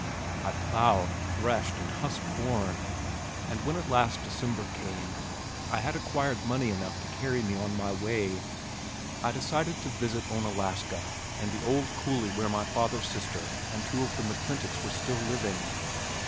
I plowed, threshed, and husked corn, and when at last December came, I had acquired money enough to carry me on my way. I decided to visit Onalaska and the old coulee where my father's sister and two of the McClintocks were still living.